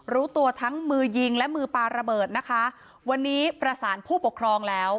รู้ตัวทั้งมือยิงและมือปลาระเบิดนะคะวันนี้ประสานผู้ปกครองแล้ว